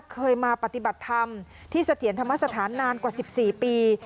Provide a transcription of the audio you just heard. เคยมาปฏิบัติธรรมที่เสถียรธรรมสถานนานกว่า๑๔ปี